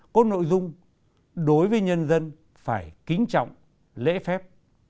có nội dung đối với nhân dân phải kính trọng lễ phép